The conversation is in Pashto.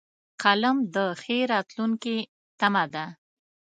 قلم د ښې راتلونکې تمه ده